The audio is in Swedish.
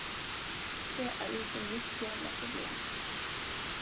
Det är inte mitt jävla problem.